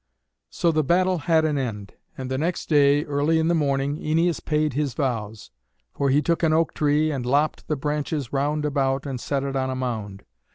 So the battle had an end. And the next day, early in the morning, Æneas paid his vows. For he took an oak tree, and lopped the branches round about, and set it on a mound.